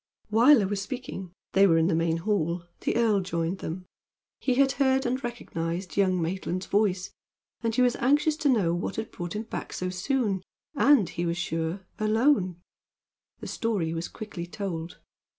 While they were speaking they were in the main hall the earl joined them. He had heard, and recognized, young Maitland's voice, and he was anxious to know what had brought him back so soon, and, he was sure, alone. The story was quickly told.